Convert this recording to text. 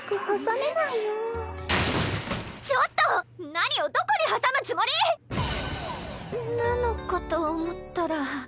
何をどこに挟むつもり⁉なのかと思ったら。